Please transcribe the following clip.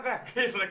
それ。